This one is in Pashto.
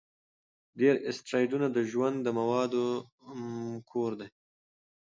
ډېر اسټروېډونه د ژوند د موادو کور دي.